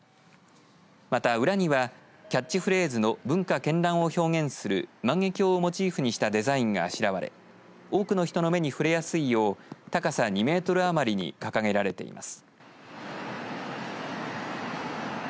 また裏にはキャッチフレーズの文化絢爛を表現する万華鏡をモチーフにしたデザインがあしらわれ多くの人の目に触れやすいよう高さ２メートル余りに掲げられています。